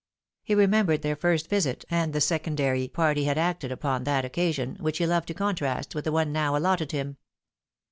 He remembered their first visit, and the secondary part he had acted upon that occasion, which he loved to contrast with the one now allotted him.